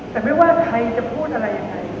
แต่ไม่ว่าใครจะพูดอะไรยังไง